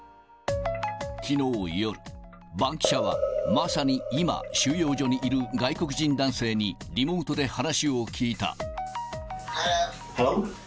きのう夜、バンキシャは、まさに今、収容所にいる外国人男性にリモートで話を聞いた。